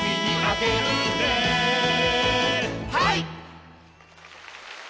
はい！